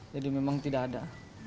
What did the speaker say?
jadi memang tidak ada